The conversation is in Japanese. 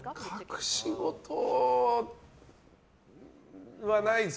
隠し事はないです。